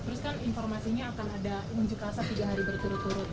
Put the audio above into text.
terus kan informasinya akan ada unjuk rasa tiga hari berturut turut